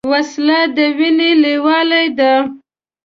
وسله د وینې لیواله ده